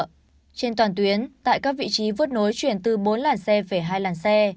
trên toàn tuyến tại các vị trí vớt nối chuyển từ bốn làn xe về hai làn xe